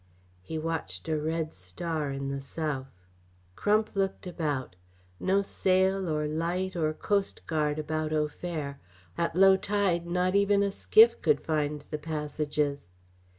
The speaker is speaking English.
He watched a red star in the south. Crump looked about. No sail or light or coast guard about Au Fer at low tide not even a skiff could find the passages.